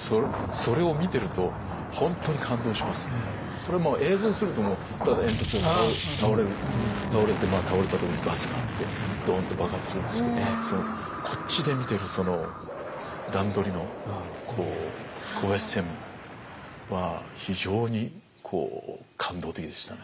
それはもう映像にするとただ煙突が倒れる倒れてまあ倒れたところにバスがあってドンと爆発するんですけどこっちで見てるその段取りの小林専務は非常にこう感動的でしたね。